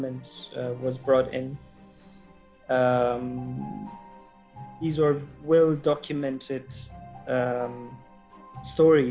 ini adalah kisah kisah yang dapat didokumen seperti